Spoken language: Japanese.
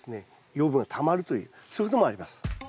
養分がたまるというそういうこともあります。